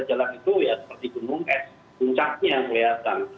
jalan itu ya seperti gunung es puncaknya kelihatan